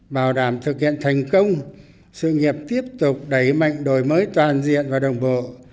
bảo đảm thực hiện thành công sự nghiệp tiếp tục đẩy mạnh đổi mới toàn diện và đồng bộ